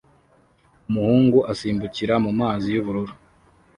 umuhungu asimbukira mumazi yubururu